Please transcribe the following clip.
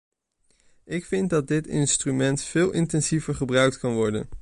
Ik vind dat dit instrument veel intensiever gebruikt kan worden.